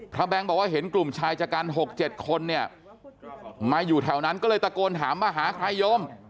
แบงค์บอกว่าเห็นกลุ่มชายชะกัน๖๗คนเนี่ยมาอยู่แถวนั้นก็เลยตะโกนถามมาหาใครโยม